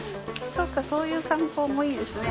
そっかそういう観光もいいですね。